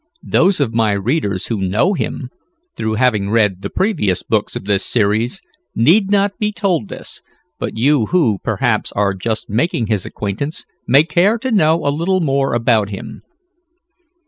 Those of my readers who know him, through having read the previous books of this series, need not be told this, but you who, perhaps, are just making his acquaintance, may care to know a little more about him.